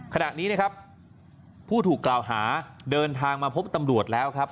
ขณะนี้นะครับผู้ถูกกล่าวหาเดินทางมาพบตำรวจแล้วครับ